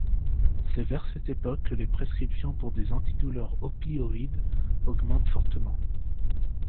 C'est vers cette époque que les prescriptions pour des antidouleurs opioïdes augmentent fortement.